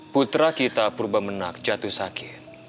putra kita purba menak jatuh sakit